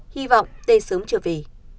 hy vọng t sớm trở về